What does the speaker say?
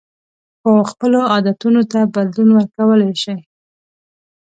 خو خپلو عادتونو ته بدلون ورکولی شئ.